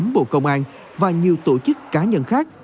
bộ công an và nhiều tổ chức cá nhân khác